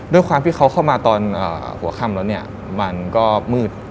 ด้วยความที่เขาเข้ามาตอนหัวค่ำแล้วเนี่ยมันก็มืด